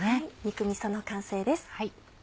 肉みその完成です。